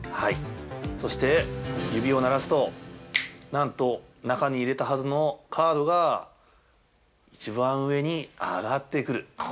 そして、指をならすと、なんと、中に入れたはずのカードが一番上に上がってくる。